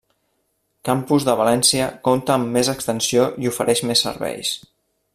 Campus de València compta amb més extensió i ofereix més serveis.